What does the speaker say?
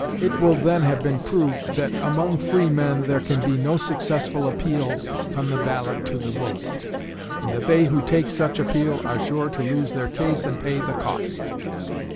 It will then have been proved that among freemen there can be no successful appeal from the ballot to the bullet, and that they who take such appeal are sure to lose their case and pay the cost.